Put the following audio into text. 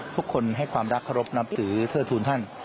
ทุกคนให้ความรักเคารพนับถือเทิดทูลท่าน